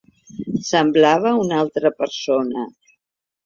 Semblava una altra persona.